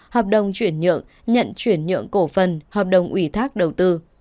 hợp đồng chuyển nhượng nhận chuyển nhượng cổ phần hợp đồng ủy thác đầu tư